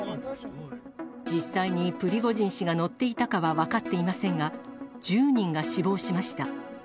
実際にプリゴジン氏が乗っていたかは分かっていませんが、１０人が死亡しました。